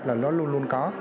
là nó luôn luôn có